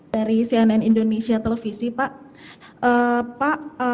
terima kasih pak